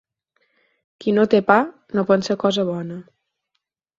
Qui no té pa, no pensa cosa bona.